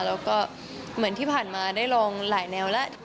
แล้วก็เหมือนที่ผ่านมาได้ลองหลายแนวแล้ว